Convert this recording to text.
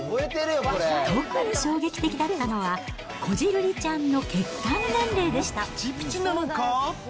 特に衝撃的だったのは、こじるりちゃんの血管年齢でした。